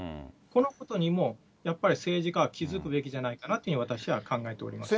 このことにも、やっぱり政治家は気付くべきじゃないかなと考えております。